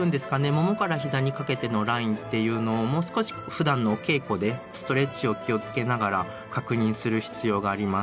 ももから膝にかけてのラインっていうのをもう少しふだんのお稽古でストレッチを気をつけながら確認する必要があります。